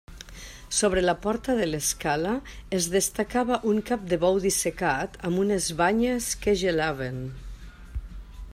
Sobre la porta de l'escala es destacava un cap de bou dissecat, amb unes banyes que gelaven.